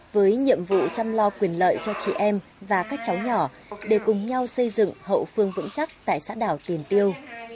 với nhiệm vụ chăm lo quyền lợi cho chị em và các cháu nhỏ để cùng nhau xây dựng hậu phương vững chắc tại xã đảo tiền tiêu